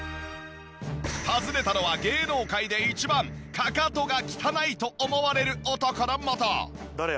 訪ねたのは芸能界で一番かかとが汚いと思われる男のもと。